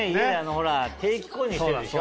ほら定期購入してるでしょ？